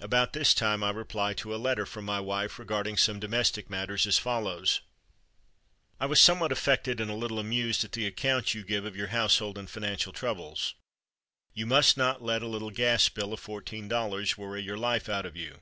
About this time I reply to a letter from my wife, regarding some domestic matters, as follows: "I was somewhat affected and a little amused at the account you give of your household and financial troubles. You must not let a little gas bill of fourteen dollars worry your life out of you.